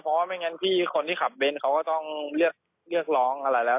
เพราะว่าไม่งั้นพี่คนที่ขับเน้นเขาก็ต้องเรียกร้องอะไรแล้ว